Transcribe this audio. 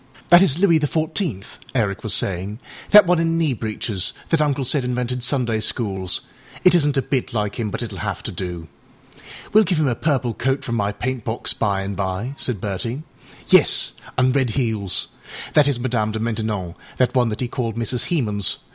âThat is Louis the Fourteenth,â Eric was saying, âthat one in knee breeches, that Uncle said invented Sunday schools. It isnât a bit like him, but itâll have to do.â âWeâll give him a purple coat from my paintbox by and by,â said Bertie. âYes, anâ red heels. That is Madame de Maintenon, that one he called Mrs. Hemans.